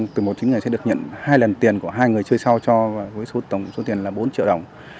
từ một đến chín ngày sẽ được nhận hai lần tiền của hai người chơi sau cho với số tiền là bốn triệu đồng